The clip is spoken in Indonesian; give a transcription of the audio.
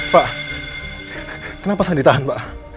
pak kenapa saya ditahan pak